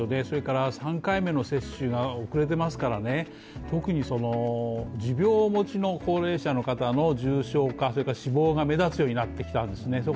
それから３回目の接種が遅れてますからね、特に持病をお持ちの高齢者の方の重症化それから死亡が目立つようになってきたんですね。